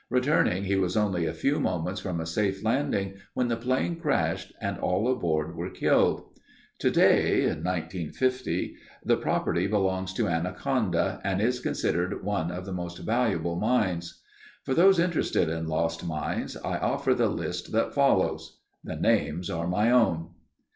Returning, he was only a few moments from a safe landing when the plane crashed and all aboard were killed. Today, (1950) the property belongs to Anaconda and is considered one of its most valuable mines. For those interested in lost mines I offer the list that follows. (The names are my own.)